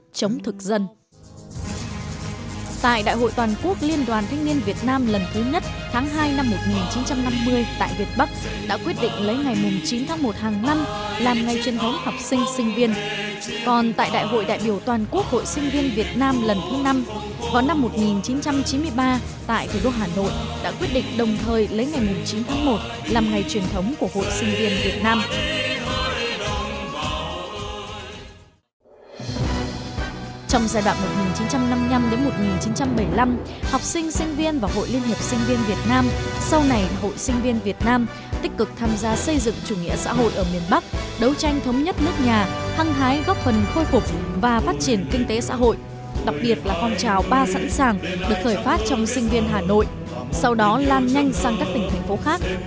trong giai đoạn một nghìn chín trăm năm mươi năm một nghìn chín trăm bảy mươi năm học sinh sinh viên và hội liên hiệp sinh viên việt nam sau này hội sinh viên việt nam tích cực tham gia xây dựng chủ nghĩa xã hội ở miền bắc đấu tranh thống nhất nước nhà hăng hái góp phần khôi phục và phát triển kinh tế xã hội đặc biệt là phong trào ba sẵn sàng được khởi phát trong sinh viên hà nội sau đó lan nhanh sang các tỉnh thành phố khác